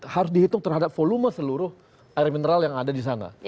harus dihitung terhadap volume seluruh air mineral yang ada di sana